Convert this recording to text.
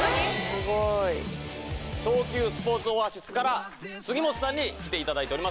すごい東急スポーツオアシスから杉本さんに来ていただいております